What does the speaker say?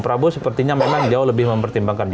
prabowo sepertinya memang jauh lebih mempertimbangkan